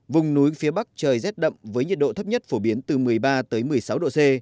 vùng núi phía bắc trời rét đậm với nhiệt độ thấp nhất phổ biến từ một mươi ba một mươi sáu độ c